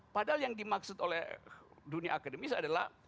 padahal yang dimaksud oleh dunia akademis adalah